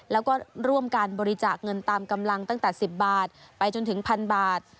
แล้วก็ร่วมการบริจาคเงินตามกำลังตั้งแต่๑๐บาทไปจนถึงพันบาท